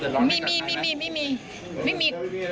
ต้องทานดีช่วยยังไงล่ะ